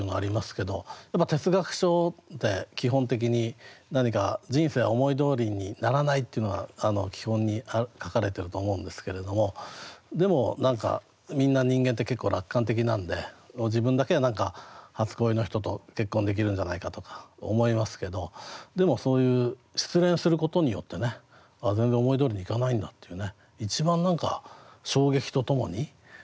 けど哲学書って基本的に何か人生は思いどおりにならないっていうのが基本に書かれてると思うんですけれどもでも何かみんな人間って結構楽観的なんで自分だけは何か初恋の人と結婚できるんじゃないかとか思いますけどでもそういう失恋することによってね全然思いどおりにいかないんだっていうね一番何か衝撃とともに分からせてくれるのを。